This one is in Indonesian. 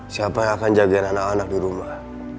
siapa yang akan jagain anak anak di rumah